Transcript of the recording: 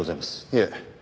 いえ。